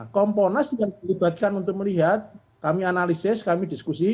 nah ponas yang diibatkan untuk melihat kami analisis kami diskusi